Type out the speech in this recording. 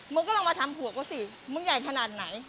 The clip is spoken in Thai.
มึงก็ลองมาทำหัวก็สิมึงใหญ่ขนาดไหน